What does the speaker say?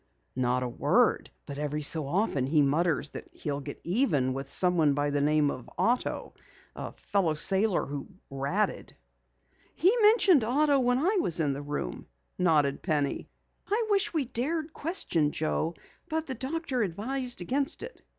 "Not a word. But every so often he mutters that he'll get even with someone by the name of Otto a fellow sailor who 'ratted.'" "He mentioned Otto when I was in the room," nodded Penny. "I wish we dared question Joe, but the doctor advised against it."